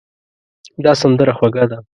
دا سندره خوږه ده.